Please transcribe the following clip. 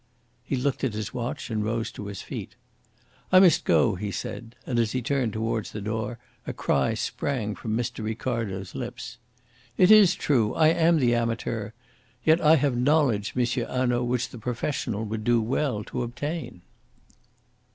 He looked at his watch and rose to his feet. "I must go" he said and as he turned towards the door a cry sprang from Mr. Ricardo's lips "It is true. I am the amateur. Yet I have knowledge, Monsieur Hanaud which the professional would do well to obtain."